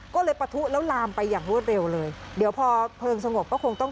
ก็เลยปะทุแล้วลามไปอย่างรวดเร็วเลยเดี๋ยวพอเพลิงสงบก็คงต้อง